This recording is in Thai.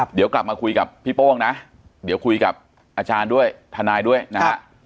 เดี๋ยวกลับมาคุยกับพี่โป้งนะเดี๋ยวคุยกับอาจารย์ด้วยทนายด้วยนะฮะ